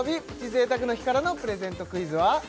贅沢の日からのプレゼントクイズは？